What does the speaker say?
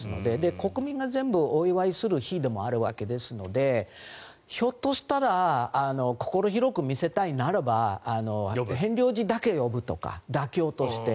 国民が全部お祝いする日でもあるわけですのでひょっとしたら心を広く見せたいならばヘンリー王子だけ呼ぶとか妥協として。